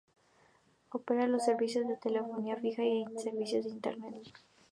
Opera los servicios de telefonía fija y servicio de internet.